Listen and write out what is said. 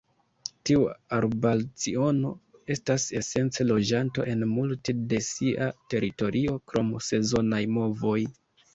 Tiu arbalciono estas esence loĝanto en multe de sia teritorio, krom sezonaj movoj.